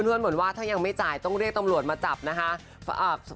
เหมือนว่าถ้ายังไม่จ่ายต้องเรียกตำรวจมาจับนะคะ